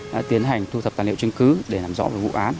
đã tiến hành thu thập tàn liệu chứng cứ để làm rõ vụ án